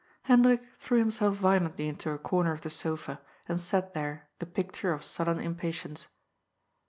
Hendrik threw himself violently into a comer of the sofa, and sat there the picture of sullen impatience.